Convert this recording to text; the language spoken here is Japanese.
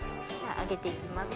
揚げて行きます。